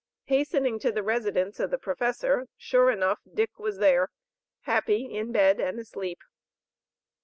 Hastening to the residence of the professor, sure enough, Dick was there, happy in bed and asleep.